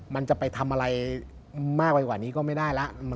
มากกว่านี้